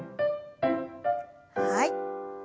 はい。